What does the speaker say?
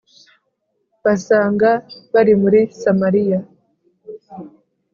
basanga bari muri Samariya